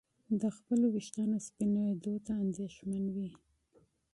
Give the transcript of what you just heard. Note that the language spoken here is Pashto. د خپلو ویښتانو سپینېدو ته اندېښمن وي.